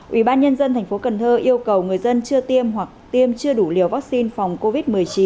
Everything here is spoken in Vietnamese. ubnd tp cần thơ yêu cầu người dân chưa tiêm hoặc tiêm chưa đủ liều vaccine phòng covid một mươi chín